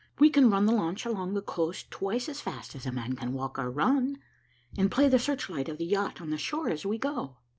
We can run the launch along the coast twice as fast as a man can walk or run, and play the search light of the yacht on the shore as we go."